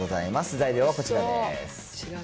材料はこちらです。